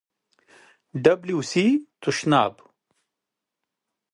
🚾 تشناب